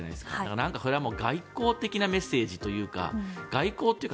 なんかそれはもう外交的なメッセージというか外交というか